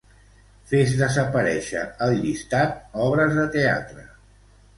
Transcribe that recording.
Fes desaparèixer el llistat "obres de teatre".